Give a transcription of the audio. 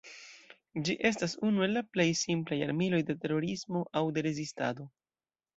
Ĝi estas unu el la plej simplaj armiloj de terorismo aŭ de rezistado.